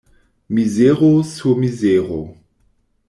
Mizero sur mizero.